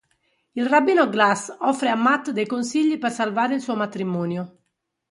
Il Rabbino Glass offre a Matt dei consigli per salvare il suo matrimonio.